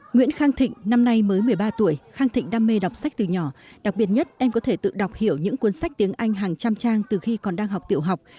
nguyễn khang thịnh năm nay mới một mươi ba tuổi khang thịnh đam mê đọc sách từ nhỏ đặc biệt nhất em có thể tự đọc hiểu những cuốn sách tiếng anh hàng trăm trang từ khi còn đang học tiểu học